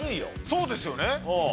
そうですよね。